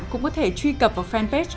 cũng có thể truy cập vào fanpage